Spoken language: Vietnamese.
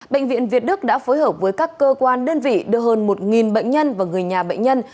bệnh viện việt đức đã phối hợp với các cơ quan đơn vị đưa hơn một bệnh nhân và người nhà bệnh nhân